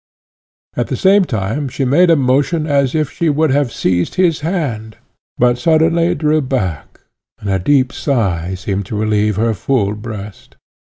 At the same time she made a motion as if she would have seized his hand, but suddenly drew back, and a deep sigh seemed to relieve her full breast.